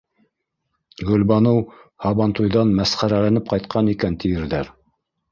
Гөлбаныу һабантуйҙан мәсхәрәләнеп ҡайтҡан икән, тиерҙәр.